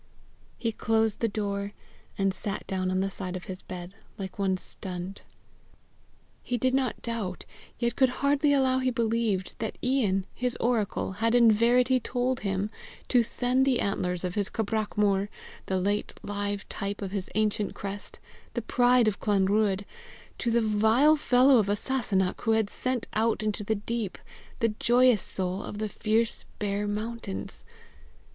He closed the door, and sat down on the side of his bed like one stunned. He did not doubt, yet could hardly allow he believed, that Ian, his oracle, had in verity told him to send the antlers of his cabrach mor, the late live type of his ancient crest, the pride of Clanruadh, to the vile fellow of a Sasunnach who had sent out into the deep the joyous soul of the fierce, bare mountains.